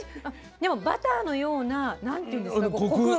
でもバターのような何ていうんですかコク。